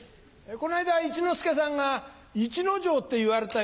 この間一之輔さんが「イチノジョウって言われたよ」